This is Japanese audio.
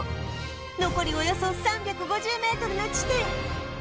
残りおよそ３５０メートルの地点